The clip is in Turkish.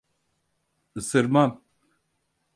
Isırmam.